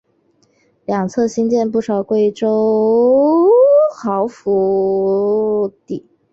两侧兴建不少贵族豪宅府邸。